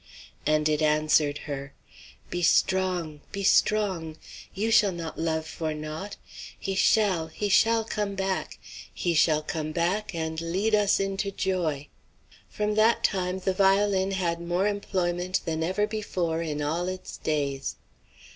And it answered her: "Be strong! be strong! you shall not love for naught. He shall he shall come back he shall come back and lead us into joy." From that time the violin had more employment than ever before in all its days.